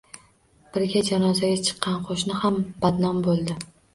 Birga janozaga chiqqan qoʻshni ham badnom boʻldi.